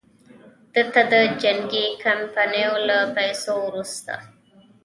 ده ته د جنګي کمپنیو له پیسو وروسته.